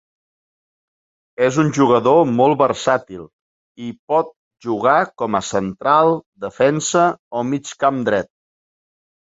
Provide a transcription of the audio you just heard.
És un jugador molt versàtil i por jugar com a central, defensa o mig camp dret.